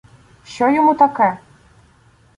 — Що йому таке?